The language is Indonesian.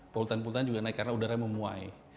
polutan polutan juga naik karena udara memuai